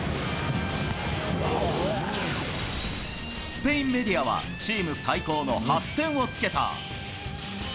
スペインメディアはチーム最高の８点をつけた。